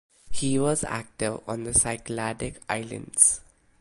He was active on the Cycladic Islands.